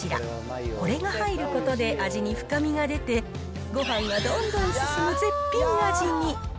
これが入ることで味に深みが出て、ごはんがどんどん進む絶品味に。